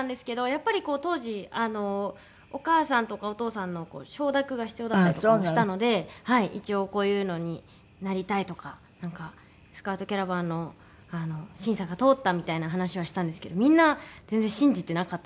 やっぱりこう当時あのお母さんとかお父さんの承諾が必要だったりとかもしたので一応こういうのになりたいとかスカウトキャラバンの審査が通ったみたいな話はしたんですけどみんな全然信じてなかったですね